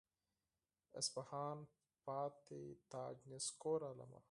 اصفهان پاتې تاج نسکور عالمه.